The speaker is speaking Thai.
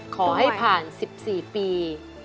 ขอให้ผ่าน๑๔ปี